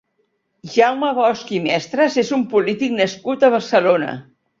Jaume Bosch i Mestres és un polític nascut a Barcelona.